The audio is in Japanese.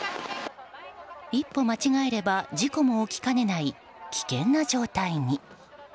一歩間違えれば事故も起きかねない危険な状態に。